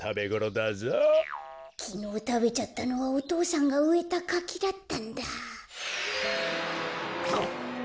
こころのこえきのうたべちゃったのはお父さんがうえたかきだったんだ。